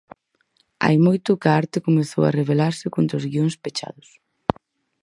Hai moito que a arte comezou a rebelarse contra os guións pechados.